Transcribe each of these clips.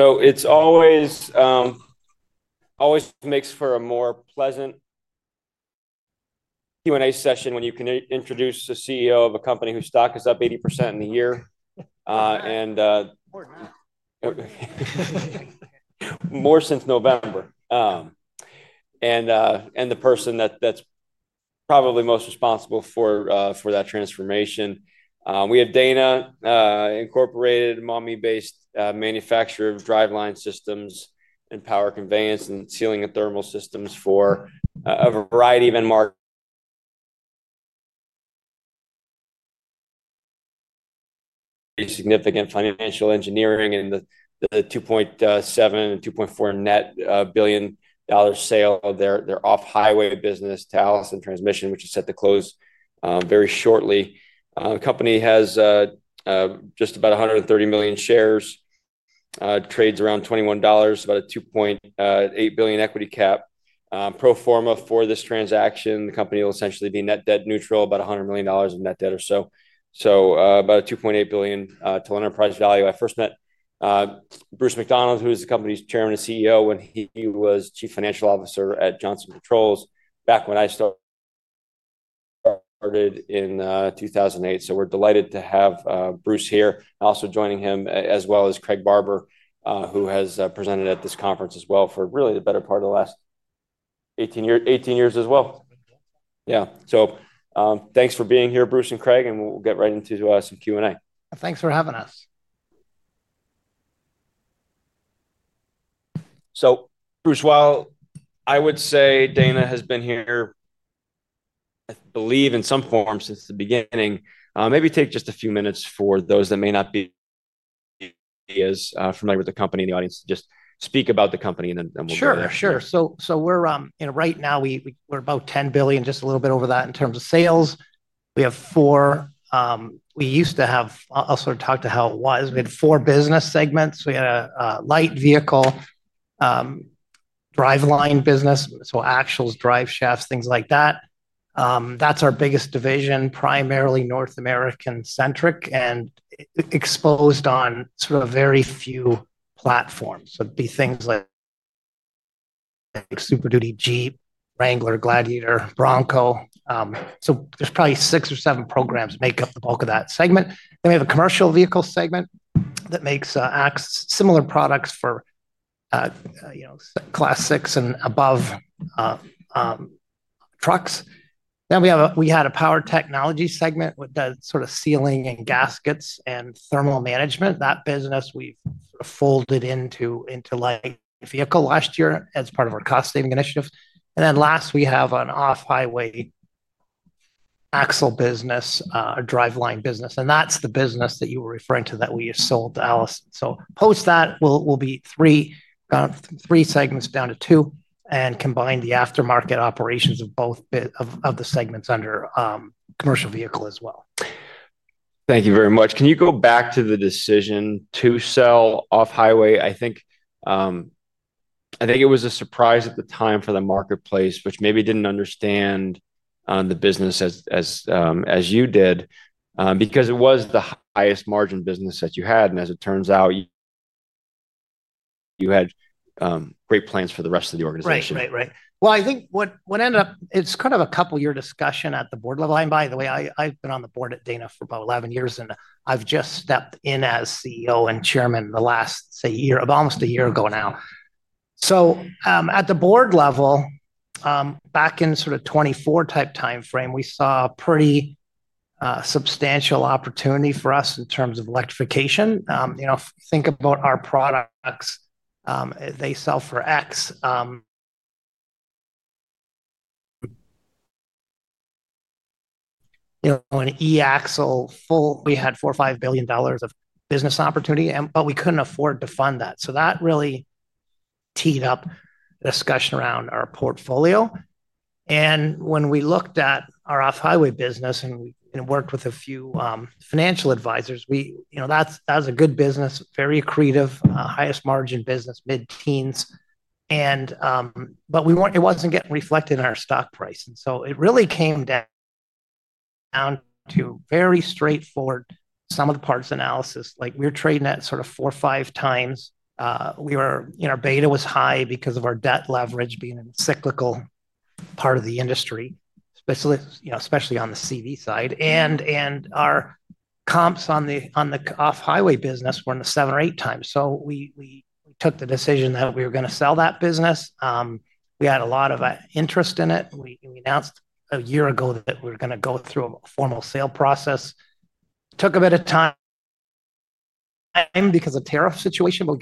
It's always, always makes for a more pleasant Q&A session when you can introduce the CEO of a company whose stock is up 80% in a year, and more since November, and the person that's probably most responsible for that transformation. We have Dana Incorporated, Maumee-based manufacturer of Driveline systems and Power conveyance and Sealing and Thermal systems for a variety of significant financial engineering and the $2.7 billion and $2.4 billion net sale of their Off-Highway business, Allison Transmission, which is set to close very shortly. The company has just about 130 million shares, trades around $21, about a $2.8 billion equity cap. Pro forma for this transaction, the company will essentially be net debt neutral, about $100 million of net debt or so, so about a $2.8 billion total enterprise value. I first met Bruce McDonald, who is the company's Chairman and CEO, when he was Chief Financial Officer at Johnson Controls back when I started in 2008. We're delighted to have Bruce here. Also joining him, as well as Craig Barber, who has presented at this conference as well for really the better part of the last 18 years as well. Yeah. Thanks for being here, Bruce and Craig, and we'll get right into some Q&A. Thanks for having us. Bruce, while I would say Dana has been here, I believe in some form since the beginning, maybe take just a few minutes for those that may not be as familiar with the company in the audience to just speak about the company and then we'll go to the next question. Sure. Sure. So right now we're about $10 billion, just a little bit over that in terms of sales. We have four. We used to have—I'll sort of talk to how it was—we had four business segments. We had a light vehicle driveline business, so axles, drive shafts, things like that. That's our biggest division, primarily North American centric and exposed on sort of very few platforms. It'd be things like Super Duty, Jeep, Wrangler, Gladiator, Bronco. There's probably six or seven programs that make up the bulk of that segment. We have a commercial vehicle segment that makes similar products for class 6 and above trucks. We had a power technology segment that does sort of Sealing and gaskets and thermal management. That business we've sort of folded into light vehicle last year as part of our cost-saving initiative. Last, we have an Off-Highway axle business, a driveline business. That's the business that you were referring to that we sold to Allison. Post that, we'll be three segments down to two and combine the aftermarket operations of both of the segments under commercial vehicle as well. Thank you very much. Can you go back to the decision to sell Off-Highway? I think it was a surprise at the time for the marketplace, which maybe didn't understand the business as you did because it was the highest margin business that you had. As it turns out, you had great plans for the rest of the organization. Right. Right. Right. I think what ended up, it's kind of a couple-year discussion at the board level. By the way, I've been on the board at Dana for about 11 years, and I've just stepped in as CEO and Chairman the last, say, almost a year ago now. At the board level, back in sort of 2024 type timeframe, we saw a pretty substantial opportunity for us in terms of electrification. Think about our products. They sell for X. An e-Axle full. We had $4 billion-$5 billion of business opportunity, but we couldn't afford to fund that. That really teed up the discussion around our portfolio. When we looked at our Off-Highway business and worked with a few financial advisors, that's a good business, very creative, highest margin business, mid-teens. It wasn't getting reflected in our stock price. It really came down to very straightforward, some of the parts analysis. We're trading at sort of four or five times. Our beta was high because of our debt leverage being in a cyclical part of the industry, especially on the CV side. Our comps on the Off-Highway business were in the seven or eight times. We took the decision that we were going to sell that business. We had a lot of interest in it. We announced a year ago that we were going to go through a formal sale process. Took a bit of time because of the tariff situation, but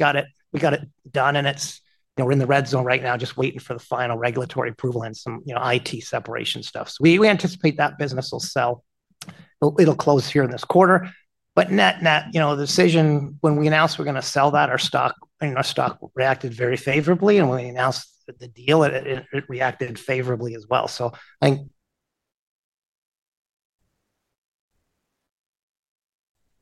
we got it done and we're in the red zone right now, just waiting for the final regulatory approval and some IT separation stuff. We anticipate that business will sell. It'll close here in this quarter. Net net, the decision when we announced we're going to sell that, our stock reacted very favorably. When we announced the deal, it reacted favorably as well. I think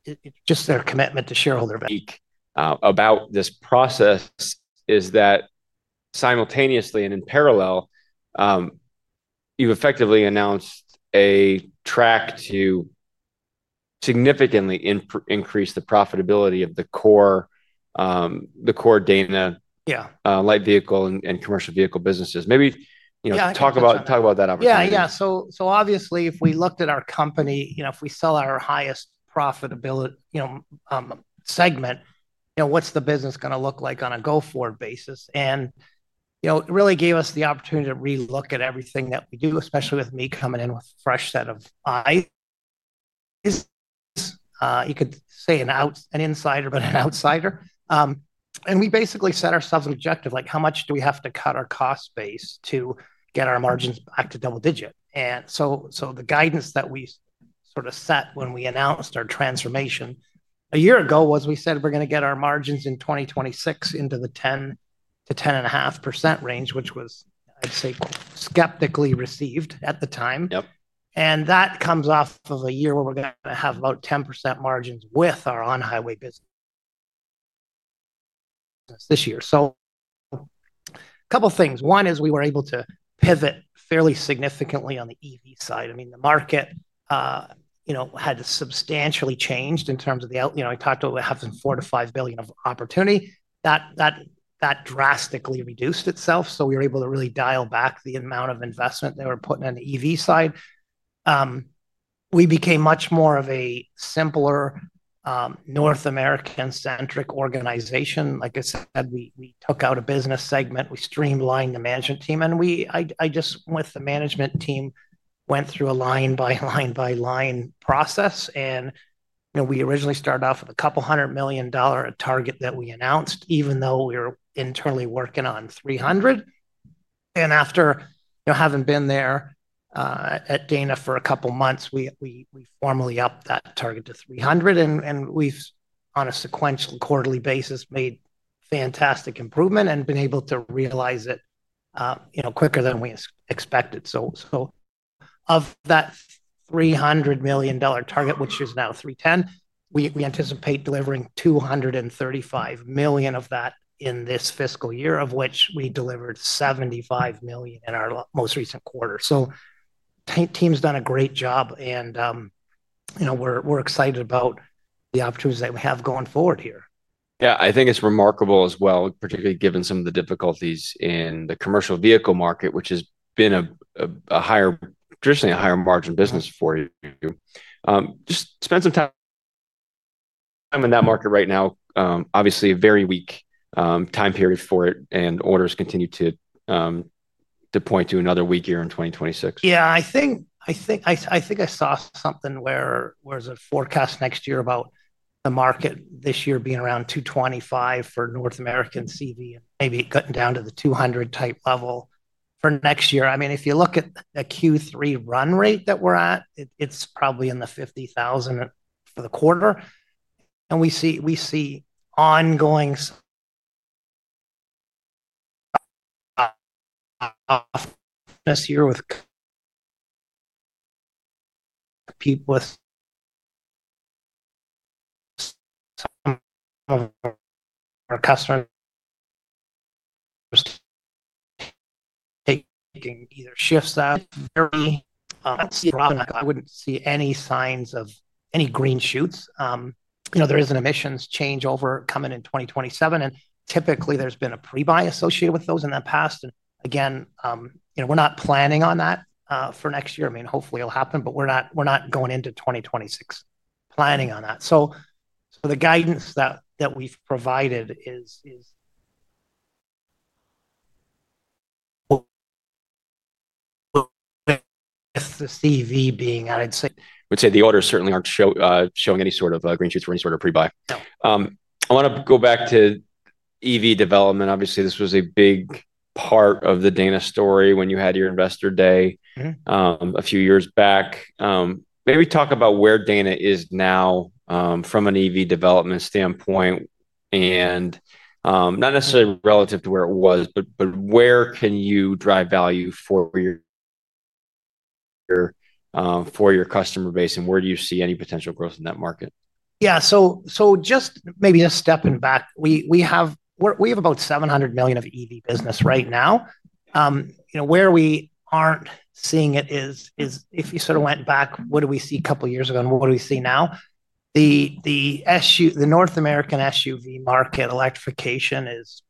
it's just their commitment to shareholder. Speak about this process. Is that simultaneously and in parallel? You've effectively announced a track to significantly increase the profitability of the core Dana light vehicle and commercial vehicle businesses. Maybe talk about that opportunity. Yeah. Yeah. So obviously, if we looked at our company, if we sell our highest profitability segment, what's the business going to look like on a go-forward basis? It really gave us the opportunity to re-look at everything that we do, especially with me coming in with a fresh set of eyes. You could say an insider, but an outsider. We basically set ourselves an objective, like how much do we have to cut our cost base to get our margins back to double-digit? The guidance that we sort of set when we announced our transformation a year ago was we said we're going to get our margins in 2026 into the 10-10.5% range, which was, I'd say, skeptically received at the time. That comes off of a year where we're going to have about 10% margins with our on-highway business this year. A couple of things. One is we were able to pivot fairly significantly on the EV side. I mean, the market had substantially changed in terms of the—I talked about we have some $4 billion-$5 billion of opportunity. That drastically reduced itself. We were able to really dial back the amount of investment they were putting on the EV side. We became much more of a simpler, North American centric organization. Like I said, we took out a business segment, we streamlined the management team, and I just, with the management team, went through a line-by-line-by-line process. We originally started off with a couple hundred million dollar target that we announced, even though we were internally working on $300 million. After having been there at Dana for a couple of months, we formally upped that target to $300 million. We've, on a sequential quarterly basis, made fantastic improvement and been able to realize it quicker than we expected. Of that $300 million target, which is now $310 million, we anticipate delivering $235 million of that in this fiscal year, of which we delivered $75 million in our most recent quarter. The team's done a great job, and we're excited about the opportunities that we have going forward here. Yeah. I think it's remarkable as well, particularly given some of the difficulties in the commercial vehicle market, which has been a traditionally higher margin business for you. Just spend some time in that market right now. Obviously, a very weak time period for it, and orders continue to point to another weak year in 2026. Yeah. I think. I saw something where there's a forecast next year about the market this year being around 225 for North American CV and maybe getting down to the 200 type level for next year. I mean, if you look at the Q3 run rate that we're at, it's probably in the 50,000 for the quarter. We see ongoing fitness here with some of our customers taking either shifts. It's very strong. I wouldn't see any signs of any green shoots. There is an emissions change overcoming in 2027. Typically, there's been a prebuy associated with those in the past. Again, we're not planning on that for next year. I mean, hopefully, it'll happen, but we're not going into 2026 planning on that. The guidance that we've provided is with the CV being at. I would say the orders certainly aren't showing any sort of green shoots for any sort of prebuy. I want to go back to EV development. Obviously, this was a big part of the Dana story when you had your investor day a few years back. Maybe talk about where Dana is now from an EV development standpoint. Not necessarily relative to where it was, but where can you drive value for your customer base? Where do you see any potential growth in that market? Yeah. So just maybe just stepping back, we have about $700 million of EV business right now. Where we are not seeing it is if you sort of went back, what do we see a couple of years ago and what do we see now? The North American SUV market electrification is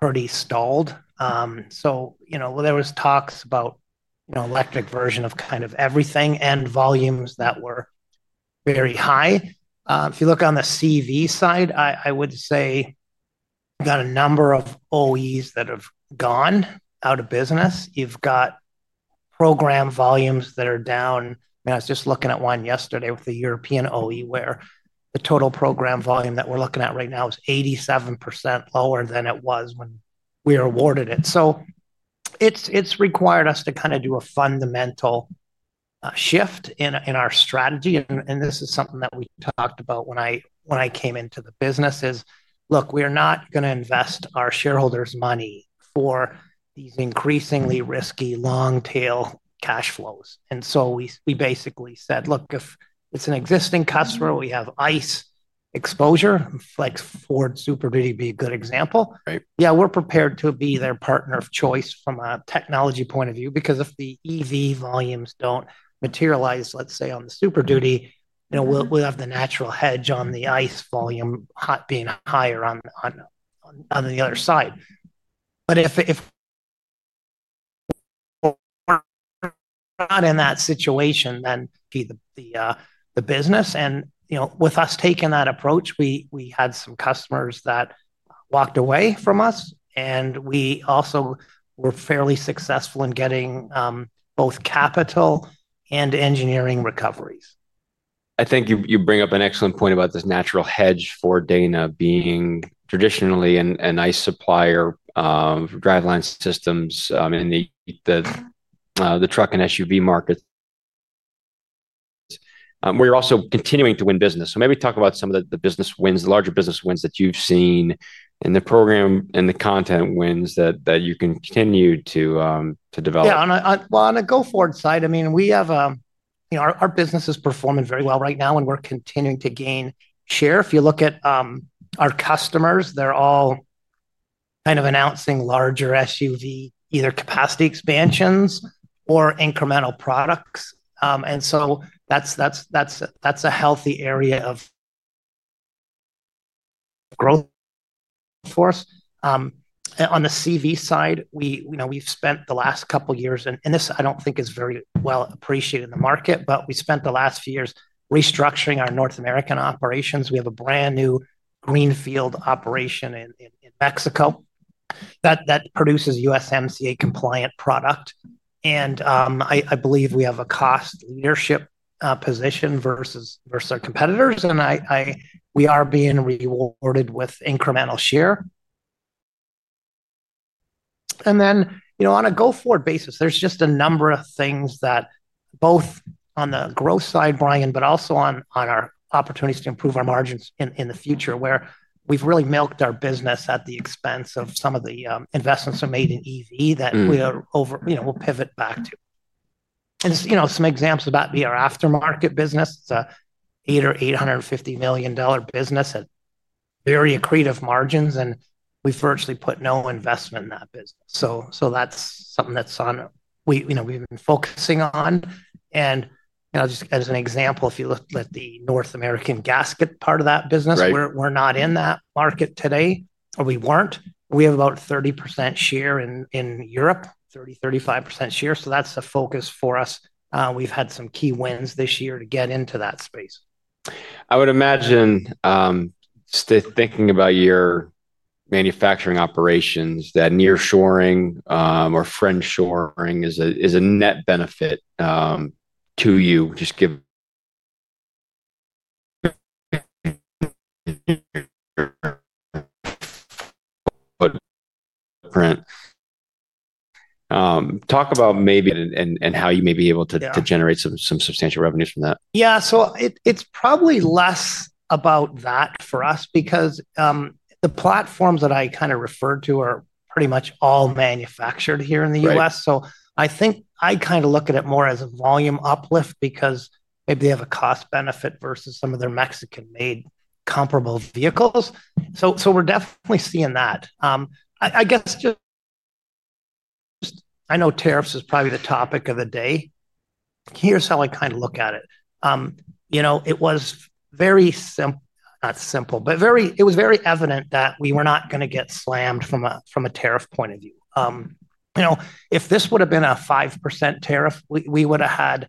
pretty stalled. There were talks about electric version of kind of everything and volumes that were very high. If you look on the CV side, I would say you have got a number of OEs that have gone out of business. You have got program volumes that are down. I mean, I was just looking at one yesterday with the European OE where the total program volume that we are looking at right now is 87% lower than it was when we were awarded it. It has required us to kind of do a fundamental shift in our strategy. This is something that we talked about when I came into the business, "Look, we are not going to invest our shareholders' money for these increasingly risky long-tail cash flows." We basically said, "Look, if it is an existing customer, we have ice exposure, like Ford Super Duty would be a good example." Yeah, we are prepared to be their partner of choice from a technology point of view because if the EV volumes do not materialize, let us say, on the Super Duty, we will have the natural hedge on the ice volume being higher on the other side. If we are not in that situation, then the business. With us taking that approach, we had some customers that walked away from us. We also were fairly successful in getting both capital and engineering recoveries. I think you bring up an excellent point about this natural hedge for Dana being traditionally an ice supplier. Driveline systems in the truck and SUV market. We're also continuing to win business. Maybe talk about some of the larger business wins that you've seen and the program and the content wins that you can continue to develop. Yeah. On the go-forward side, I mean, we have a. Our business is performing very well right now, and we're continuing to gain share. If you look at our customers, they're all. Kind of announcing larger SUV either capacity expansions or incremental products. That is a healthy area of growth for us. On the CV side, we've spent the last couple of years—and this I do not think is very well appreciated in the market—but we spent the last few years restructuring our North American operations. We have a brand new greenfield operation in Mexico that produces USMCA-compliant product. I believe we have a cost leadership position versus our competitors. We are being rewarded with incremental share. On a go-forward basis, there are just a number of things that both on the growth side, Brian, but also on our opportunities to improve our margins in the future, where we've really milked our business at the expense of some of the investments we made in EV that we'll pivot back to. Some examples of that would be our aftermarket business. It's an $800 million or $850 million business at very accretive margins, and we've virtually put no investment in that business. That is something that we've been focusing on. As an example, if you look at the North American gasket part of that business, we're not in that market today, or we were not. We have about 30% share in Europe, 30-35% share. That is a focus for us. We've had some key wins this year to get into that space. I would imagine. Just thinking about your manufacturing operations, that nearshoring or friendshoring is a net benefit to you, just given. Talk about maybe, and how you may be able to generate some substantial revenues from that. Yeah. It's probably less about that for us because the platforms that I kind of referred to are pretty much all manufactured here in the U.S. I think I kind of look at it more as a volume uplift because maybe they have a cost benefit versus some of their Mexican-made comparable vehicles. We're definitely seeing that. I guess tariffs is probably the topic of the day. Here's how I kind of look at it. It was very simple—not simple—but it was very evident that we were not going to get slammed from a tariff point of view. If this would have been a 5% tariff, we would have had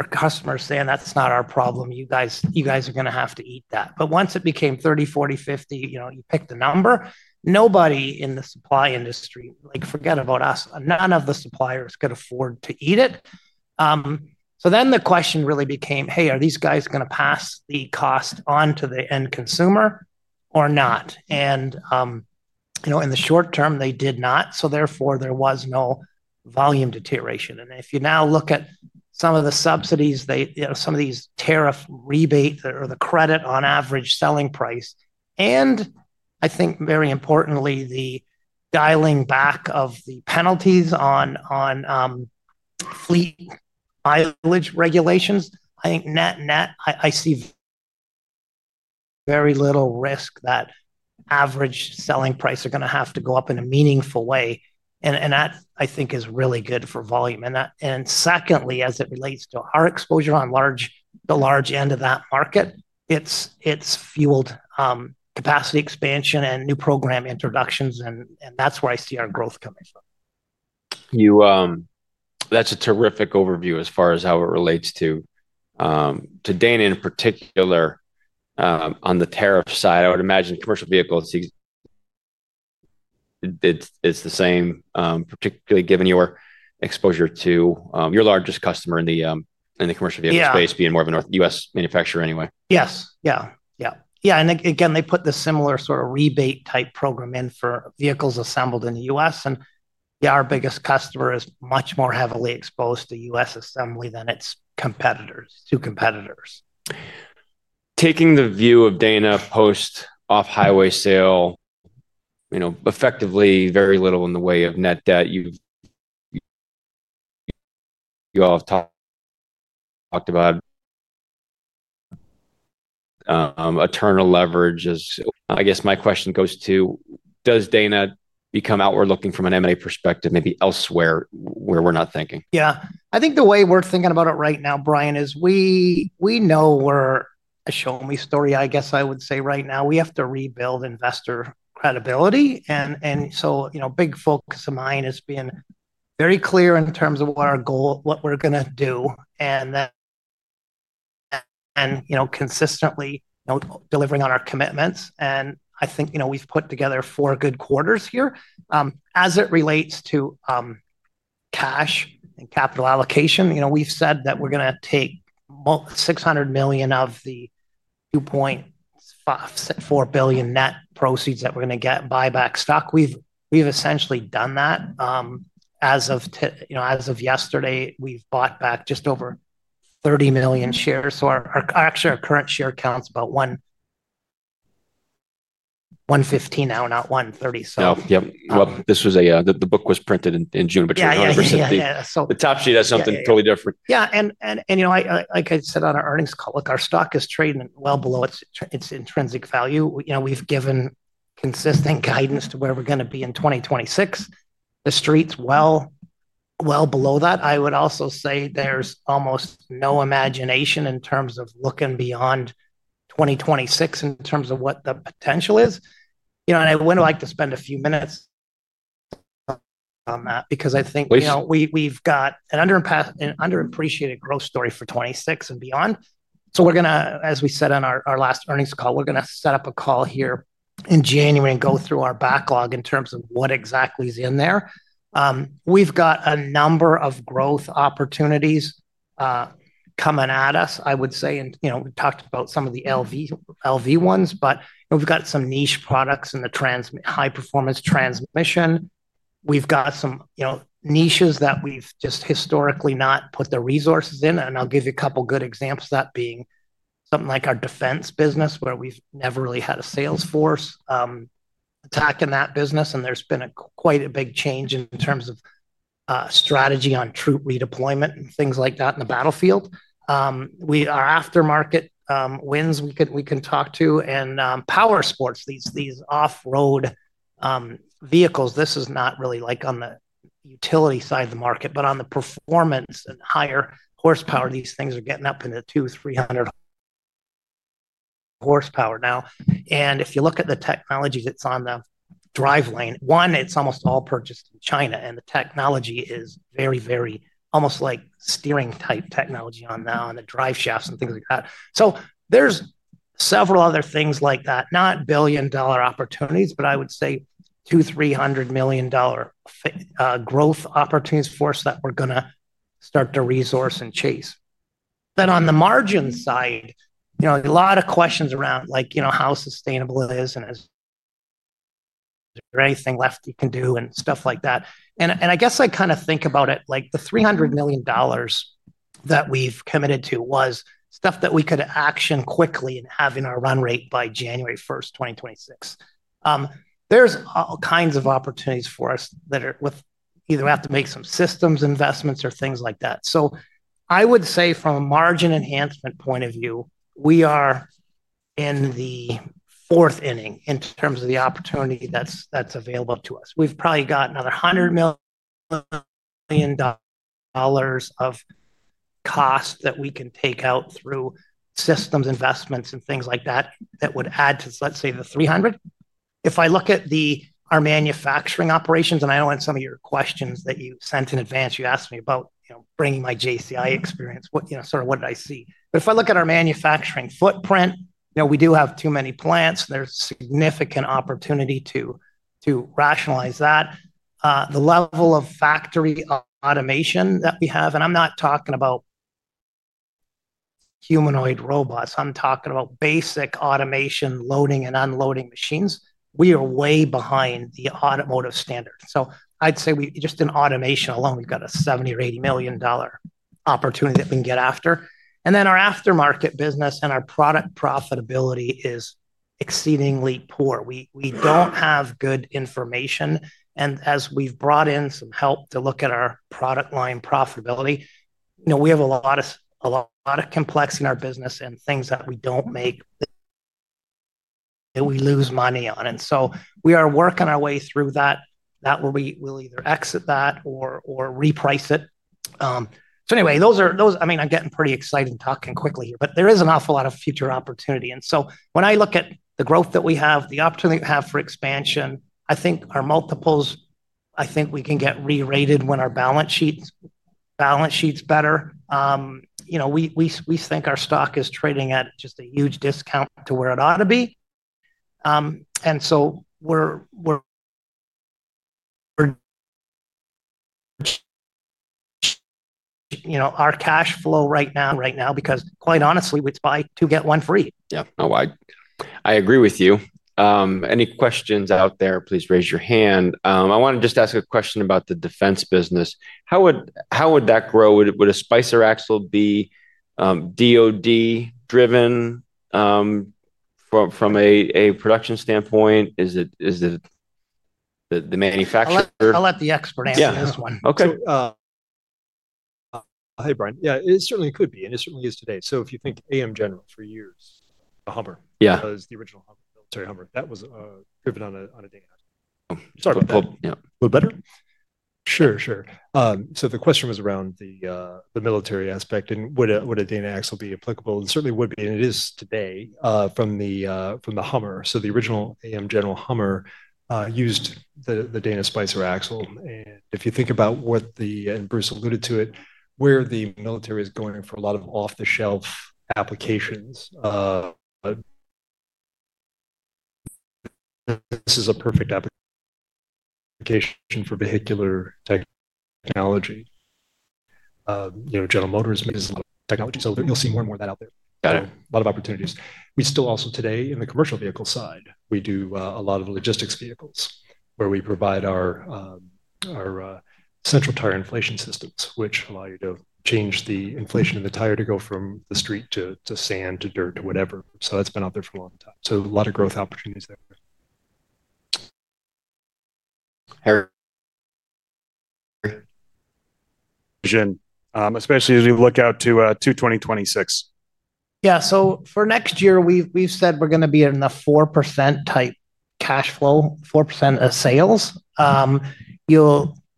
our customers saying, "That's not our problem. You guys are going to have to eat that." Once it became 30%, 40%, 50%, you pick the number. Nobody in the supply industry—for us or any of the suppliers—could afford to eat it. The question really became, "Hey, are these guys going to pass the cost on to the end consumer or not?" In the short term, they did not. Therefore, there was no volume deterioration. If you now look at some of the subsidies, some of these tariff rebates or the credit on average selling price, and I think very importantly, the dialing back of the penalties on fleet mileage regulations, I think net net, I see very little risk that average selling price is going to have to go up in a meaningful way. That, I think, is really good for volume. Secondly, as it relates to our exposure on the large end of that market, it's fueled capacity expansion and new program introductions. That's where I see our growth coming from. That's a terrific overview as far as how it relates to Dana in particular. On the tariff side, I would imagine commercial vehicles is the same, particularly given your exposure to your largest customer in the commercial vehicle space being more of a U.S. manufacturer anyway. Yes. Yeah. Yeah. Yeah. They put the similar sort of rebate type program in for vehicles assembled in the U.S. Our biggest customer is much more heavily exposed to U.S. assembly than its two competitors. Taking the view of Dana post Off-Highway sale. Effectively very little in the way of net debt, you all have talked about. Eternal leverage is, I guess my question goes to, does Dana become outward-looking from an M&A perspective, maybe elsewhere where we're not thinking? Yeah. I think the way we're thinking about it right now, Brian, is we know we're a show-and-me story, I guess I would say right now. We have to rebuild investor credibility. A big focus of mine has been very clear in terms of what we're going to do and consistently delivering on our commitments. I think we've put together four good quarters here. As it relates to cash and capital allocation, we've said that we're going to take $600 million of the $2.4 billion net proceeds that we're going to get, buy back stock. We've essentially done that. As of yesterday, we've bought back just over 30 million shares. Actually, our current share count's about 115 now, not 130. Yep. Yep. This was a—the book was printed in June between 100%. The top sheet has something totally different. Yeah. Like I said on our earnings call, our stock is trading well below its intrinsic value. We've given consistent guidance to where we're going to be in 2026. The street's well below that. I would also say there's almost no imagination in terms of looking beyond 2026 in terms of what the potential is. I would like to spend a few minutes on that because I think we've got an underappreciated growth story for 2026 and beyond. We're going to, as we said on our last earnings call, set up a call here in January and go through our backlog in terms of what exactly is in there. We've got a number of growth opportunities coming at us, I would say. We talked about some of the LV ones, but we've got some niche products in the high-performance transmission. We've got some niches that we've just historically not put the resources in. I'll give you a couple of good examples of that being something like our defense business, where we've never really had a sales force attack in that business. There's been quite a big change in terms of strategy on troop redeployment and things like that in the battlefield. Our aftermarket wins we can talk to and power sports, these off-road vehicles. This is not really like on the utility side of the market, but on the performance and higher horsepower, these things are getting up into 2,300 horsepower now. If you look at the technology that's on the driveline, one, it's almost all purchased in China. The technology is very, very almost like steering-type technology on the drive shafts and things like that. There are several other things like that, not billion-dollar opportunities, but I would say $200/300 million growth opportunities for us that we're going to start to resource and chase. On the margin side, a lot of questions around how sustainable it is and is there anything left you can do and stuff like that. I guess I kind of think about it like the $300 million that we've committed to was stuff that we could action quickly and have in our run rate by January 1, 2026. There are all kinds of opportunities for us that either we have to make some systems investments or things like that. I would say from a margin enhancement point of view, we are in the fourth inning in terms of the opportunity that's available to us. We've probably got another $100 million of cost that we can take out through systems investments and things like that that would add to, let's say, the $300 million. If I look at our manufacturing operations, and I know in some of your questions that you sent in advance, you asked me about bringing my JCI experience, sort of what did I see. If I look at our manufacturing footprint, we do have too many plants. There is significant opportunity to rationalize that. The level of factory automation that we have, and I am not talking about humanoid robots. I am talking about basic automation, loading and unloading machines. We are way behind the automotive standard. I would say just in automation alone, we have got a $70 million or $80 million opportunity that we can get after. Then our aftermarket business and our product profitability is exceedingly poor. We do not have good information. As we have brought in some help to look at our product line profitability, we have a lot of complexity in our business and things that we do not make that we lose money on. We are working our way through that. That will be—we will either exit that or reprice it. Anyway, those are—I mean, I am getting pretty excited and talking quickly here, but there is an awful lot of future opportunity. When I look at the growth that we have, the opportunity we have for expansion, I think our multiples, I think we can get re-rated when our balance sheet is better. We think our stock is trading at just a huge discount to where it ought to be. Our cash flow right now, right now because quite honestly, it is buy two, get one free. Yeah. No, I agree with you. Any questions out there, please raise your hand. I want to just ask a question about the defense business. How would that grow? Would a Spicer Axle be DOD-driven? From a production standpoint, is it the manufacturer? I'll let the expert answer this one. Yeah. Okay. Hey, Brian. Yeah, it certainly could be, and it certainly is today. If you think AM General for years, the Hummer, that was the original Hummer, military Hummer. That was driven on a Dana axle. Sorry, a little better? Sure, sure. The question was around the military aspect, and would a Dana axle be applicable? It certainly would be, and it is today from the Hummer. The original AM General Hummer used the Dana Spicer Axle. If you think about what the—and Bruce alluded to it—where the military is going for a lot of off-the-shelf applications, this is a perfect application for vehicular technology. General Motors is a lot of technology. You'll see more and more of that out there. A lot of opportunities. We still also today in the commercial vehicle side, we do a lot of logistics vehicles where we provide our Central Tire Inflation System, which allows you to change the inflation of the tire to go from the street to sand to dirt to whatever. That's been out there for a long time. A lot of growth opportunities there. Especially as we look out to 2026. Yeah. For next year, we've said we're going to be in a 4% type cash flow, 4% of sales.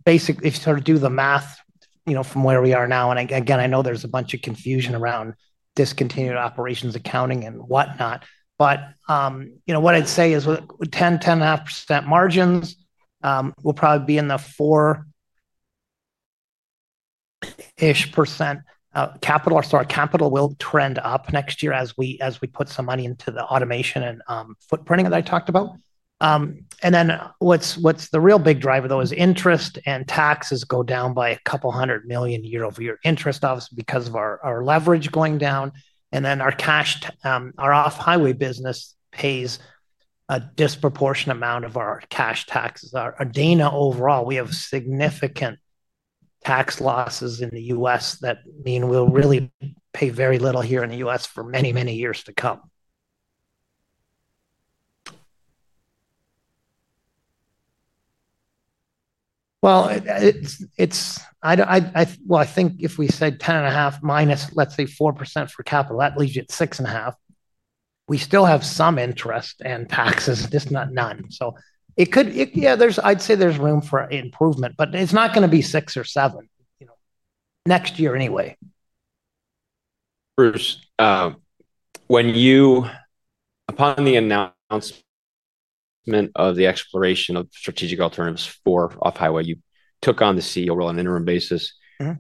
Basically, if you sort of do the math from where we are now, and again, I know there's a bunch of confusion around discontinued operations, accounting, and whatnot. What I'd say is 10-10.5% margins will probably be in the 4%-ish percent. Capital, or sorry, capital will trend up next year as we put some money into the automation and footprinting that I talked about. What's the real big driver, though, is interest and taxes go down by a couple hundred million year over year, interest obviously because of our leverage going down. Our Off-Highway business pays a disproportionate amount of our cash taxes. Our Dana overall, we have significant tax losses in the U.S. that mean we'll really pay very little here in the U.S. for many, many years to come. If we said 10.5 minus, let's say, 4% for capital, that leaves you at 6.5. We still have some interest and taxes, just not none. I'd say there's room for improvement, but it's not going to be 6 or 7 next year anyway. Bruce, when you, upon the announcement of the exploration of strategic alternatives for Off-Highway, you took on the CEO role on an interim basis.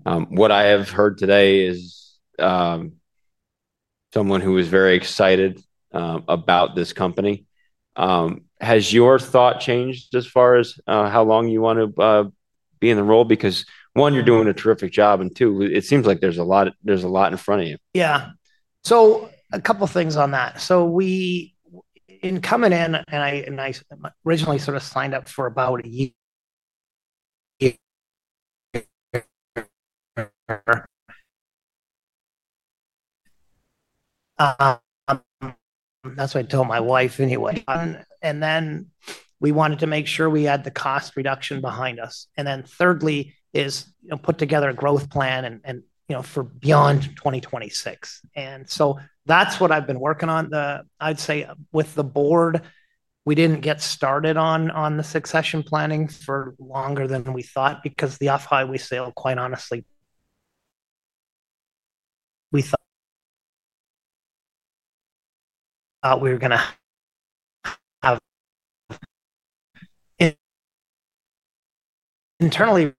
What I have heard today is someone who is very excited about this company. Has your thought changed as far as how long you want to be in the role? Because one, you're doing a terrific job, and two, it seems like there's a lot in front of you. Yeah. A couple of things on that. In coming in, I originally sort of signed up for about a year. That's what I told my wife anyway. We wanted to make sure we had the cost reduction behind us. Thirdly is put together a growth plan for beyond 2026. That's what I've been working on. I'd say with the board, we did not get started on the succession planning for longer than we thought because the Off-Highway sale, quite honestly. We thought we were going to have internally.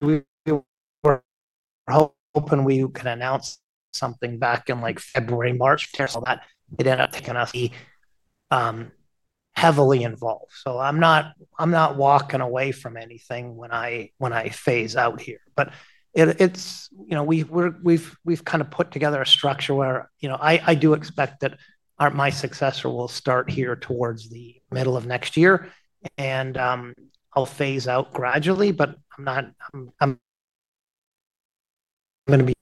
We were hoping we could announce something back in February, March, but it ended up taking us. Be heavily involved. I'm not walking away from anything when I phase out here. We've kind of put together a structure where I do expect that my successor will start here towards the middle of next year, and I'll phase out gradually. I'm going to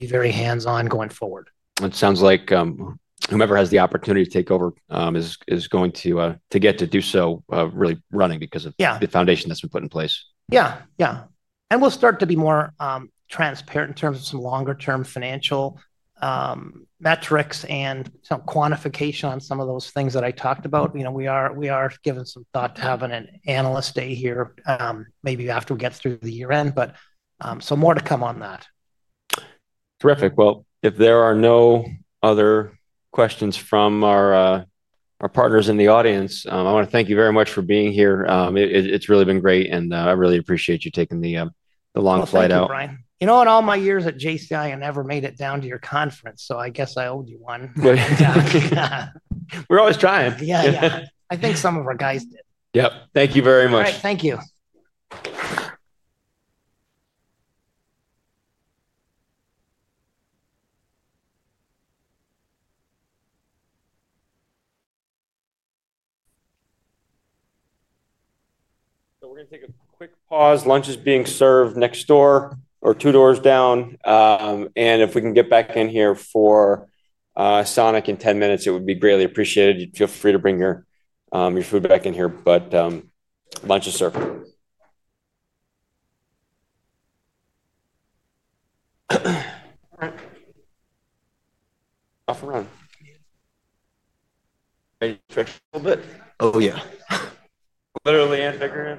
be very hands-on going forward. It sounds like whomever has the opportunity to take over is going to get to do so really running because of the foundation that's been put in place. Yeah. Yeah. We will start to be more transparent in terms of some longer-term financial metrics and some quantification on some of those things that I talked about. We are giving some thought to having an analyst day here maybe after we get through the year-end, so more to come on that. Terrific. If there are no other questions from our partners in the audience, I want to thank you very much for being here. It's really been great, and I really appreciate you taking the long flight out. You know, in all my years at Johnson Controls, I never made it down to your conference, so I guess I owed you one. We're always trying. Yeah. Yeah. I think some of our guys did. Yep. Thank you very much. All right. Thank you. We're going to take a quick pause. Lunch is being served next door or two doors down. If we can get back in here for Sonic in 10 minutes, it would be greatly appreciated. Feel free to bring your food back in here, but lunch is served. Off and run. Ready to try a little bit? Oh, yeah. Literally and beginner.